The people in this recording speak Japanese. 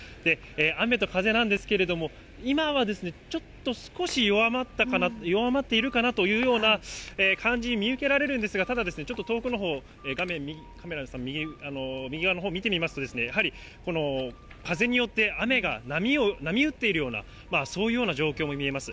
雨と風なんですけれども、今はちょっと少し弱まったかな、弱まっているかなというような感じに見受けられるんですが、ただ、ちょっと遠くのほう、画面、カメラさん、右側のほう見てみますと、やはりこの風によって雨が波打っているようなそういうような状況も見えます。